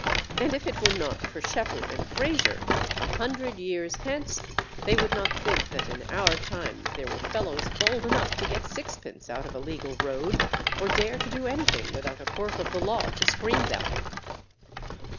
And if it were not for Shephard and Frazier, a hundred years hence, they would not think that in our times there were fellows bold enough to get sixpence out of a legal road, or dare to do anything without a quirk of the law to screen them.